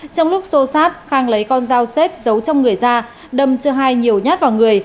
trong lúc xô sát khang lấy con dao xếp giấu trong người ra đâm cho hai nhiều nhát vào người